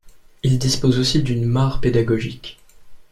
Il dispose aussi d'une mare pédagogique.